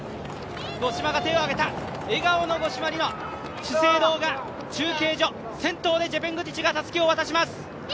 五島が手を挙げた、笑顔の五島莉乃資生堂が中継所、ジェプングティチが先頭でたすきを渡します。